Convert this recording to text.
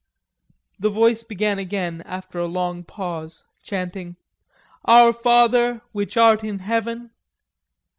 The voice began again after a long pause, chanting: "Our Father which art in Heaven..."